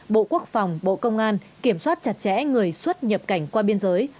một mươi bộ quốc phòng bộ công an kiểm soát chặt chẽ người xuất nhập cảnh qua biên giới